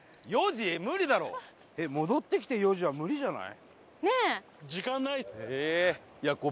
戻ってきて４時は無理じゃない？